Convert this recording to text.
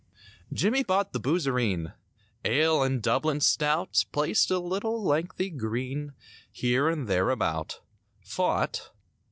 Jimmie bought the boozerine; Ale and Dublin Stout. Placed a little lengthy green Here and there about. Fought